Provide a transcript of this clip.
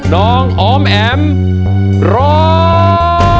น้องออมแอ๋มร้อง